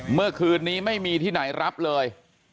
เมื่อคืนนี้ไม่มีที่ไหนรับเลย